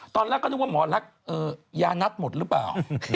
ตอนแรกก็นึกว่าหมอรักยานัทหมดหรือเปล่า